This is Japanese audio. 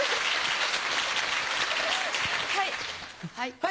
はい！